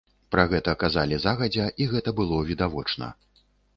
Пра гэта казалі загадзя, і гэта было відавочна.